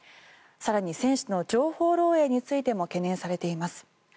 更に選手の情報漏えいについても懸念されています。